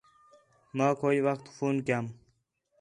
ماک ہوئی وخت فون کَیام